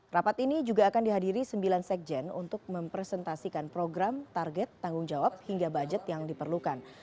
rapat ini juga akan dihadiri sembilan sekjen untuk mempresentasikan program target tanggung jawab hingga budget yang diperlukan